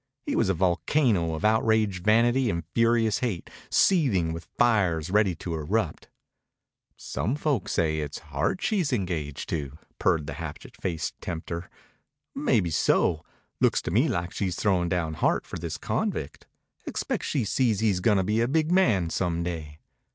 He was a volcano of outraged vanity and furious hate, seething with fires ready to erupt. "Some folks say it's Hart she's engaged to," purred the hatchet faced tempter. "Maybeso. Looks to me like she's throwin' down Hart for this convict. Expect she sees he's gonna be a big man some day."